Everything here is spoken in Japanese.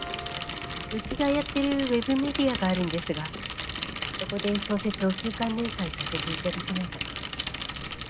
うちがやってるウェブメディアがあるんですがそこで小説を週刊連載させていただけないかと。